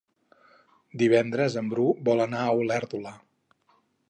Divendres en Bru vol anar a Olèrdola.